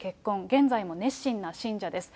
現在も熱心な信者です。